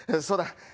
そうだ。